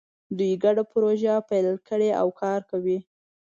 دوی ګډه پروژه پیل کړې او کار کوي